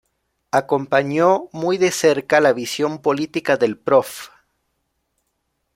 Acompañó muy de cerca la visión política del Prof.